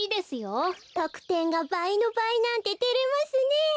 とくてんがばいのばいなんててれますねえ。